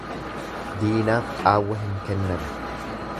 Diinaaf qaawwa hin kennan.